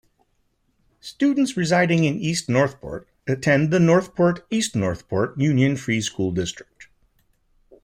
Students residing in East Northport attend the Northport-East Northport Union Free School District.